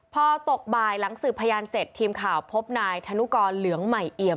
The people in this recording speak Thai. พอตกบ่ายหลังสืบพยานเสร็จทีมข่าวพบนายธนุกรเหลืองใหม่เอี่ยม